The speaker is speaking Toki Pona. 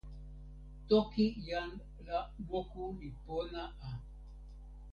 toki jan la moku li pona a.